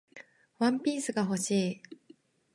ワンピースが欲しい